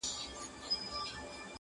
او په کلي کي مېلمه یې پر خپل کور کړي-